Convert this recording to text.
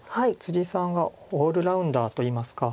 さんがオールラウンダーといいますか。